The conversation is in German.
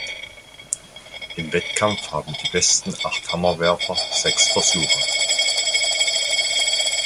Im Wettkampf haben die besten acht Hammerwerfer sechs Versuche.